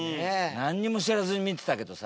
なんにも知らずに見てたけどさ。